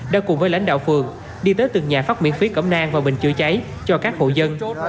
đã cùng với lãnh đạo phường đi tới từng nhà phát miễn phí cổng nang và bình chữa cháy cho các hộ dân